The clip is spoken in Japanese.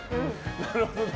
なるほどね。